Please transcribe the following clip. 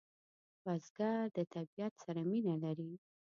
بزګر د طبیعت سره مینه لري